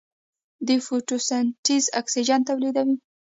د فوټوسنتز اکسیجن تولیدوي.